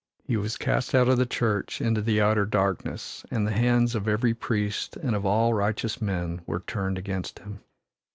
He was cast out of the Church into the outer darkness, and the hands of every priest and of all righteous men were turned against him.